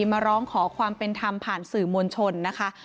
มาร้องขอความเป็นธรรมผ่านสื่อมวลชนนะคะ